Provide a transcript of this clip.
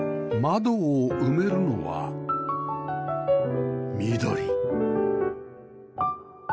窓を埋めるのは緑